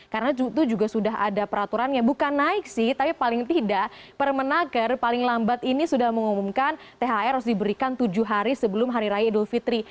karena itu juga sudah ada peraturannya bukan naik sih tapi paling tidak permenager paling lambat ini sudah mengumumkan thr harus diberikan tujuh hari sebelum hari raya idul fitri